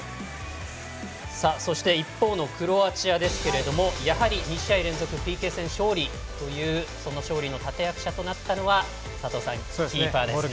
さあそして一方のクロアチアですけれどもやはり２試合連続ＰＫ戦勝利というその勝利の立て役者となったのは佐藤さん、キーパーですね。